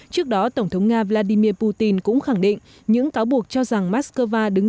trước đó tổng thống nga vladimir putin cũng khẳng định những cáo buộc cho rằng moscow đứng